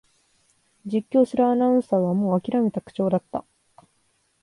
実況するアナウンサーはもうあきらめた口調だった